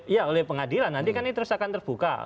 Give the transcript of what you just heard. ya oleh pengadilan nanti kan ini terus akan terbuka